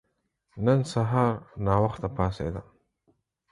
نن سهار ناوخته پاڅیدم.